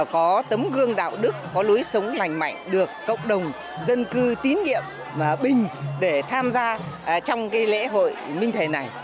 có tấm gương đạo đức có lối sống lành mạnh được cộng đồng dân cư tín nghiệm và bình để tham gia trong lễ hội minh thề này